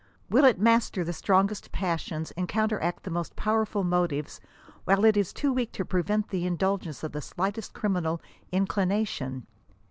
In the words of Livingston , "will it master the strongest passions and counter act the most powerful motives, while it is too weak to prevent the indulgence of the slightest criminal inclination